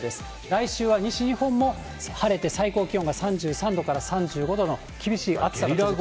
来週は西日本も晴れて、最高気温が３３度から３５度の厳しい暑さになります。